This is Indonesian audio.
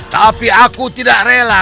tapi aku tidak rela